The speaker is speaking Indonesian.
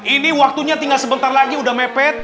ini waktunya tinggal sebentar lagi udah mepet